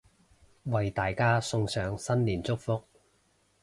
為大家送上新年祝福